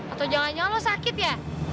atau jangan jangan lu sakit ya